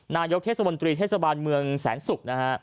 นายกเทศมนตรีเทศบาลเมืองแสนศุกร์นะฮะ